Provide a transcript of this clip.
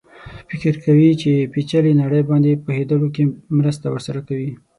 فکر کوي چې پېچلې نړۍ باندې پوهېدلو کې مرسته ورسره کوي.